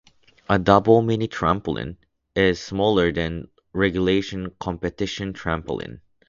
A double mini-trampoline is smaller than a regulation competition trampoline.